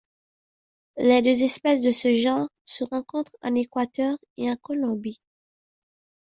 Les deux espèces de ce genre se rencontrent en Équateur et en Colombie.